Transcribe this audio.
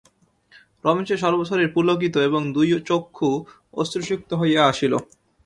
রমেশের সর্বশরীর পুলকিত এবং দুই চক্ষু অশ্রুসিক্ত হইয়া আসিল।